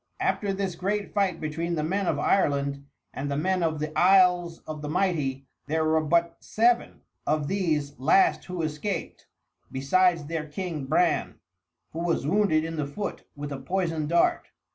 After this great fight between the men of Ireland and the men of the Isles of the Mighty there were but seven of these last who escaped, besides their king Bran, who was wounded in the foot with a poisoned dart.